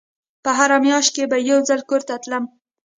په هره مياشت کښې به يو ځل کور ته تلم.